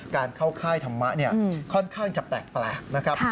การเข้าค่ายธรรมะค่อนข้างจะแปลกนะครับ